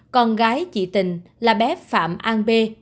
con gái chị tình là bé phạm an b